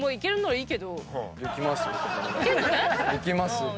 いきますよ。